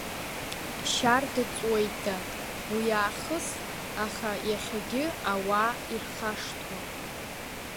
Шьарда ҵуеит, дад, уи аахыс, аха иахьагьы ауаа ирхашҭуам.